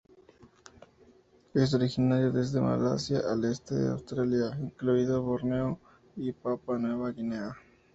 Es originario desde Malasia al este de Australia, incluido Borneo y Papua Nueva Guinea.